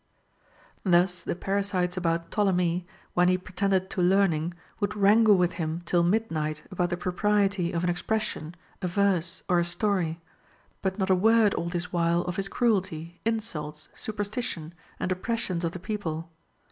Thus the parasites about Ptolemy, when he pretended to learning, would wrangle with him till midnight about the propriety of an expression, a verse, or a story ; but not a word all this while of his cruelty, insults, superstition, and oppressions of the people.